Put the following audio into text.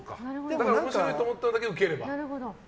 面白いと思ったのだけ受ければ。